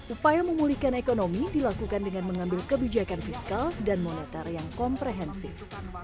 upaya memulihkan ekonomi dilakukan dengan mengambil kebijakan fiskal dan moneter yang komprehensif